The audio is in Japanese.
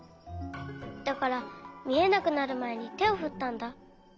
だからみえなくなるまえにてをふったんだ。